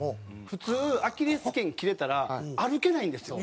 普通アキレス腱切れたら歩けないんですよ。